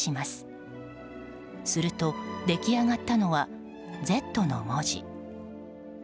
すると、出来上がったのは「Ｚ」の文字。